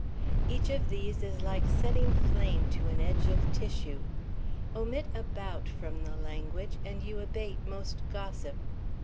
each of these is like setting flame to an edge of tissue. Omit "about" from the language, and you abate most gossip.